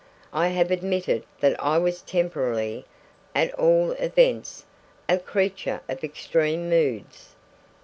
I have admitted that I was temporarily, at all events, a creature of extreme moods.